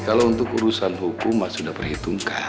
kalau untuk urusan hukum mas sudah perhitungkan